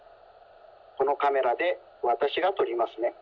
このカメラでわたしがとりますね。